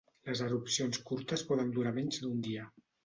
Les erupcions curtes poden durar menys d'un dia.